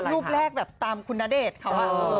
รูปแรกแบบตามคุณณเดชน์เขา